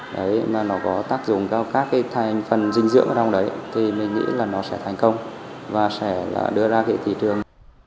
đấy mà nó có tác dụng vào các cái thành phần dinh dưỡng ở trong đấy thì mình nghĩ là nó sẽ thành công và sẽ đưa ra cái thị trường